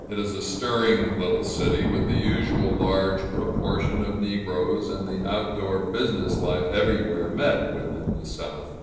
It is a stirring little city, with the usual large proportion of negroes, and the out door business life everywhere met with in the South.